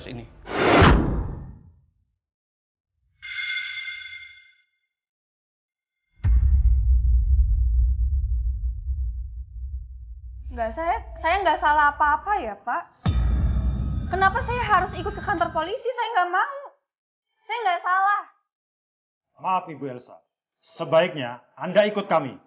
sebaiknya anda ikut kami